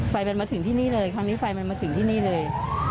ไฟมันมาถึงที่นี่เลยครั้งนี้ไฟมันมาถึงที่นี่เลย